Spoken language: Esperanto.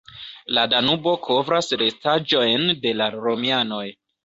La Danubo kovras restaĵojn de la romianoj.